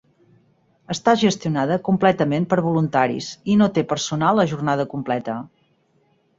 Està gestionada completament per voluntaris i no té personal a jornada completa.